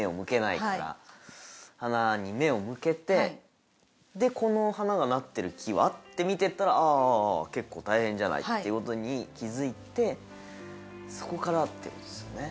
やっぱりその花に目を向けてでこの花がなってる木は？って見ていったら「ああああああ結構大変じゃない？」っていうことに気づいてそこからっていうことですよね